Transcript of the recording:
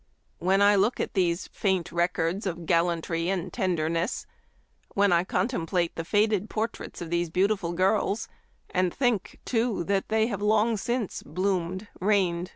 " When I look at these faint records of gal lantry and tenderness ; when I contemplate the faded portraits of these beautiful girls, and think, too, that they have long since bloomed, reigned, Ii6 Memoir of Washington Irving.